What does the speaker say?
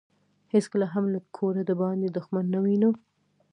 هیڅکله هم له کوره دباندې دښمن نه وينو.